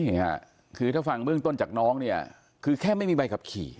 นี่ค่ะคือถ้าฟังเบื้องต้นจากน้องเนี่ยคือแค่ไม่มีใบขับขี่